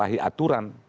dan memperbaiki aturan